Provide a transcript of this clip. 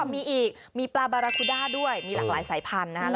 มีอีกมีปลาบาราคุด้าด้วยมีหลากหลายสายพันธุ์นะครับ